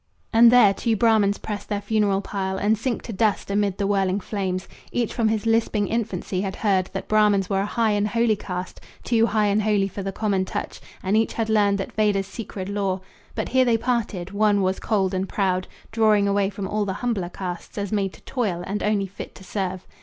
And there two Brahmans press their funeral pile, And sink to dust amid the whirling flames. Each from his lisping infancy had heard That Brahmans were a high and holy caste, Too high and holy for the common touch, And each had learned the Vedas' sacred lore. But here they parted. One was cold and proud, Drawing away from all the humbler castes As made to toil, and only fit to serve.